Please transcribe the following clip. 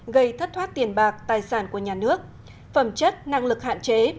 gây thất thoát tiền bạc tài sản của nhà nước phẩm chất năng lực hạn chế